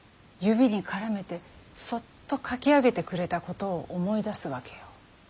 指に絡めてそっとかき上げてくれたことを思い出すわけよ。